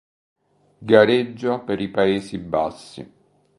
Gareggia per i Paesi Bassi.